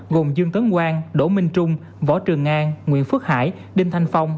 gồm dương tấn quang đỗ minh trung võ trường ngang nguyễn phước hải đinh thanh phong